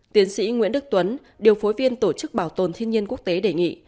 tiến sĩ nguyễn đức tuấn điều phối viên tổ chức bảo tồn thiên nhiên quốc tế đề nghị